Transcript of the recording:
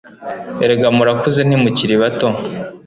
erega murakuze ntimukili bato